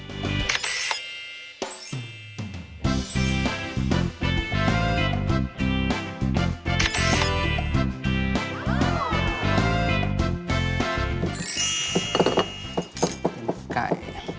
ตัวไก่